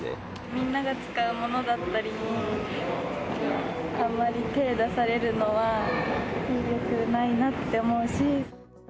みんなが使うものだったり、あんまり手を出されるのは、よくないなって思うし。